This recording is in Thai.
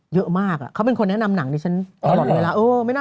เยอะมากอ่ะเขาเป็ณคนแนะนำหนังนี่ฉัน